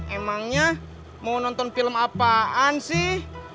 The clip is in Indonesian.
emangnya mau nonton film apaan sih